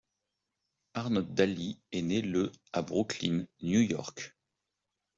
Arnold Daly est né le à Brooklyn, New York.